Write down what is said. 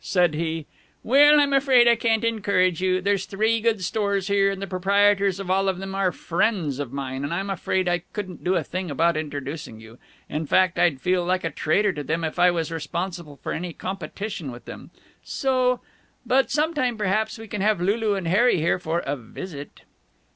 Said he: "Well, I'm afraid I can't encourage you. There's three good stores here, and the proprietors of all of them are friends of mine, and I'm afraid I couldn't do a thing about introducing you. In fact, I'd feel like a traitor to them if I was responsible for any competition with them. So But some time, perhaps, we can have Lulu and Harry here for a visit."